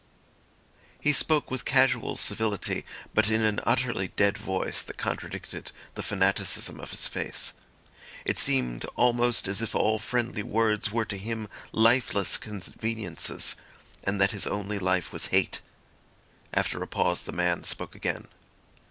He spoke with casual civility, but in an utterly dead voice that contradicted the fanaticism of his face. It seemed almost as if all friendly words were to him lifeless conveniences, and that his only life was hate. After a pause the man spoke again.